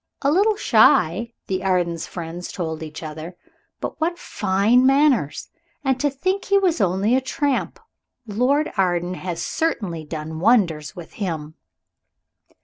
"A little shy," the Ardens' friends told each other, "but what fine manners! And to think he was only a tramp! Lord Arden has certainly done wonders with him!"